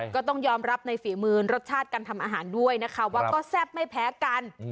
ก็ต้องยอมรับในฝีมือรสชาติการทำอาหารด้วยนะคะว่าก็แซ่บไม่แพ้กัน